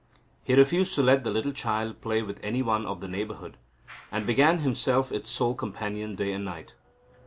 He refused to let the little child play with any one of the neighbourhood, and became himself its sole companion day and night.